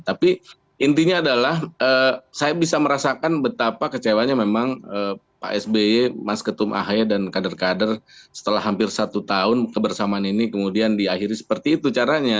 tapi intinya adalah saya bisa merasakan betapa kecewanya memang pak sby mas ketum ahaya dan kader kader setelah hampir satu tahun kebersamaan ini kemudian diakhiri seperti itu caranya